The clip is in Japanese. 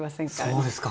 そうですか。